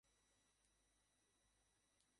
একটা রেইস দিলে কেমন হয়?